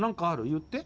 言って。